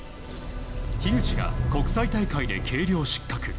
樋口が国際大会で軽量失格。